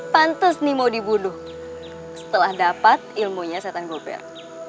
pantes nih mau dibunuh setelah dapat ilmunya setan gulpil